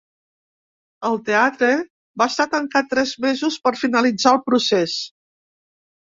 El teatre va estar tancat tres mesos per finalitzar el procés.